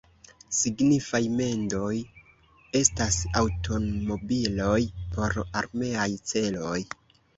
Signifaj mendoj estas aŭtomobiloj por armeaj celoj.